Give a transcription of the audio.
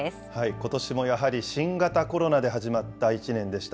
ことしもやはり新型コロナで始まった１年でした。